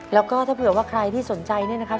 แล้วก็ถ้าเผื่อว่าใครที่สนใจเนี่ยนะครับ